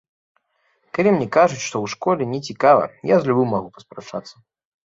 Калі мне кажуць, што ў школе не цікава, я з любым магу паспрачацца.